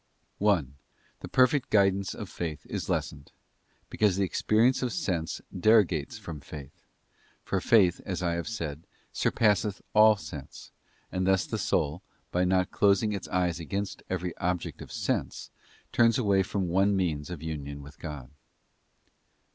1. The perfect guidance of faith is lessened; because the experience of sense derogates from faith; for faith, as I have said, surpasseth all sense, and thus the soul, by not closing its eyes against every object of sense, turns away from the means of union with God.